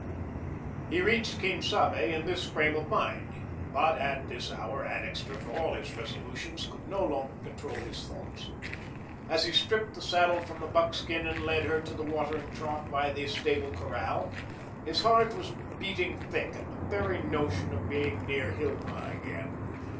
He reached Quien Sabe in this frame of mind. But at this hour, Annixter, for all his resolutions, could no longer control his thoughts. As he stripped the saddle from the buckskin and led her to the watering trough by the stable corral, his heart was beating thick at the very notion of being near Hilma again.